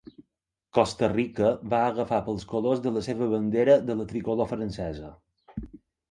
Costa Rica va agafar pels colors de la seva bandera de la tricolor francesa.